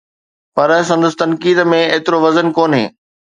پر سندس تنقيد ۾ ايترو وزن ڪونهي.